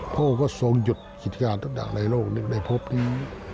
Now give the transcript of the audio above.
พระองค์ก็ทรงหยุดกิจการตั้งแต่ในโลกไปพบนี้